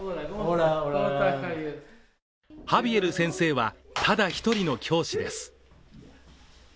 ハビエル先生は、ただ一人の教師です。